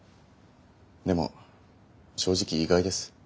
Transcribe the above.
でも正直意外です。